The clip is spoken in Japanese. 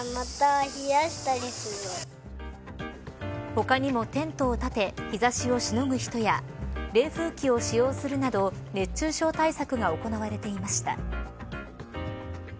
他にもテントをたて日差しをしのぐ人や冷風機を使用するなど熱中症対策が行われていました。